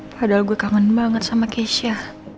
padahal gue kangen banget sama keisha